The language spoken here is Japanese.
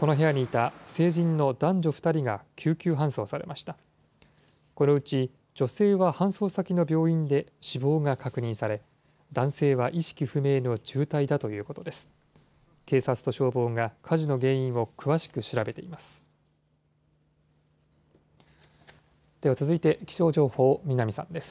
このうち女性は搬送先の病院で死亡が確認され、男性は意識不明の重体だということです。